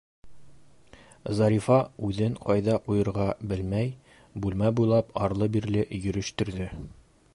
Зарифа, үҙен ҡайҙа ҡуйырға белмәй, бүлмә буйлап арлы- бирле йөрөштөрҙө.